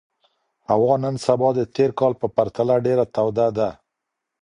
هوا نن سبا د تېر کال په پرتله ډېره توده ده.